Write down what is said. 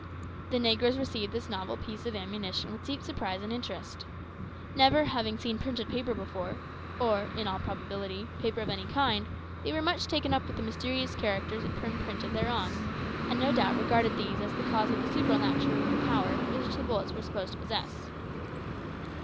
The negroes received this novel species of ammunition with deep interest and surprise. Never having seen printed paper before, or, in all probability, paper of any kind, they were much taken up with the mysterious characters imprinted thereon, and no doubt regarded these as the cause of the supernatural power which the bullets were supposed to possess.